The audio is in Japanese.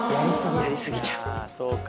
やり過ぎちゃう。